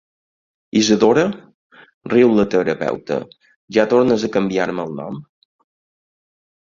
Isadora? —riu la terapeuta— Ja tornes a canviar-me el nom?